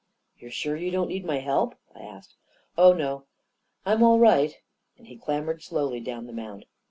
" You're sure you don't need my help? " I asked. " Oh, no ; I'm all right," and he clambered slowly down the mound.